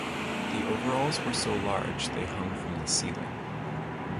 The overalls were so large they hung from the ceiling.